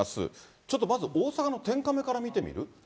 ちょっとまず大阪の天カメから見てみる？